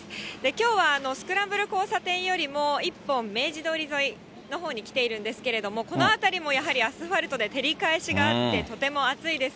きょうはスクランブル交差点よりも、１本明治通り沿いに来ているんですけれども、この辺りもやはりアスファルトで照り返しがあって、とても暑いです。